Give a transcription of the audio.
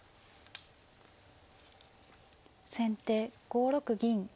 先手５六銀。